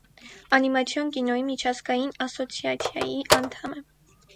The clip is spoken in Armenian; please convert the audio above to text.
Անիմացիոն կինոյի միջազգային ասոցիացիայի անդամ է։